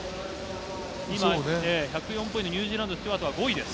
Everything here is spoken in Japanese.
今、１０４ポイント、ニュージーランドのスチュワートは５位です。